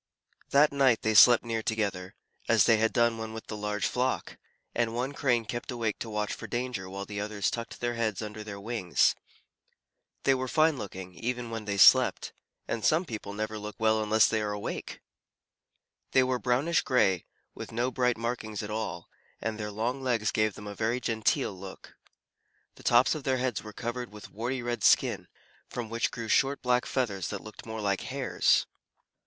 That night they slept near together, as they had done when with the large flock, and one Crane kept awake to watch for danger while the others tucked their heads under their wings. They were fine looking, even when they slept, and some people never look well unless they are awake. They were brownish gray, with no bright markings at all, and their long legs gave them a very genteel look. The tops of their heads were covered with warty red skin, from which grew short black feathers that looked more like hairs.